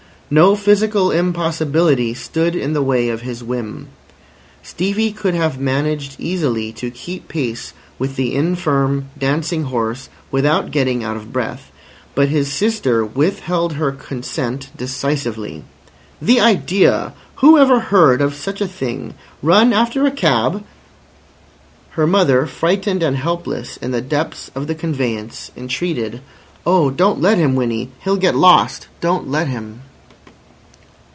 No physical impossibility stood in the way of his whim. Stevie could have managed easily to keep pace with the infirm, dancing horse without getting out of breath. But his sister withheld her consent decisively. "The idea! Whoever heard of such a thing! Run after a cab!" Her mother, frightened and helpless in the depths of the conveyance, entreated: "Oh, don't let him, Winnie. He'll get lost. Don't let him."